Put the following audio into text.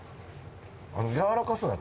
やわらかそうだね。